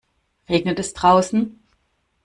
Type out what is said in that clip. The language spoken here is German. Regnet es draußen?